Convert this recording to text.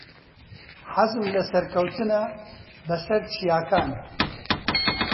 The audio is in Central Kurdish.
حەزم لە سەرکەوتنە بەسەر چیاکان.